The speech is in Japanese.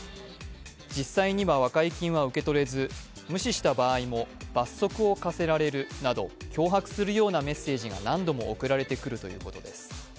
実際には和解金は受け取れず、無視した場合も罰則を科せられるなど脅迫するようなメッセージが何度も送られてくるということです。